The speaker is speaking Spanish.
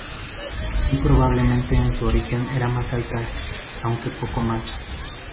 Muy probablemente en su origen era más alta, aunque poco más.